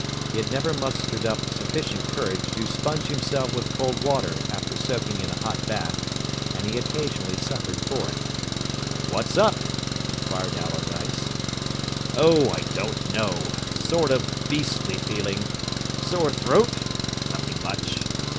He had never mustered up sufficient courage to sponge himself with cold water after soaking in a hot bath, and he occasionally suffered for it. "What's up?" inquired Allardyce. "Oh, I don't know. Sort of beastly feeling. Sore throat. Nothing much.